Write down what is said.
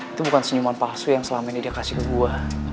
itu bukan senyuman palsu yang selama ini dia kasih ke gua